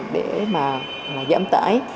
để mà giảm tài